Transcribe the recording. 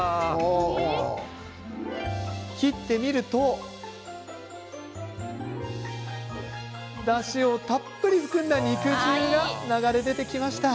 切ってみるとだしをたっぷり含んだ肉汁が流れ出てきました。